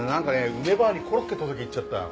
梅ばあにコロッケ届けに行っちゃったよ。